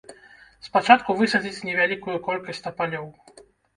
Спачатку высадзяць невялікую колькасць тапалёў.